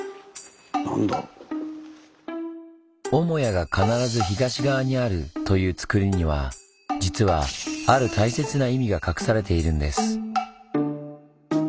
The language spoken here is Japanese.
母屋が必ず東側にあるというつくりには実はある大切な意味が隠されているんです。